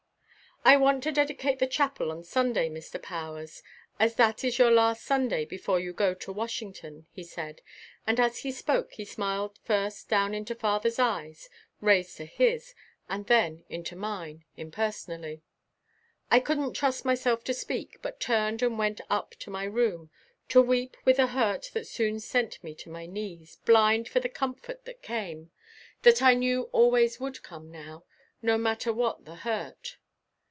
"I want to dedicate the chapel on Sunday, Mr. Powers, as that is your last Sunday before you go to Washington," he said, and as he spoke he smiled first down into father's eyes raised to his and then into mine impersonally. I couldn't trust myself to speak but turned and went up to my room to weep with a hurt that soon sent me to my knees, blind for the comfort that came that I knew always would come now, no matter what the hurt.